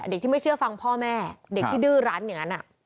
เด็กที่ไม่เชื่อฟังพ่อแม่เด็กที่ดื้อรั้นอย่างนั้น